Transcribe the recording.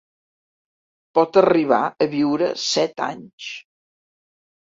Pot arribar a viure set anys.